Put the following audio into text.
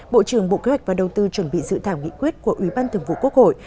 bộ trưởng bộ kế hoạch và đầu tư chuẩn bị dự thảo nghị quyết của ủy ban thường vụ quốc hội